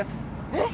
え？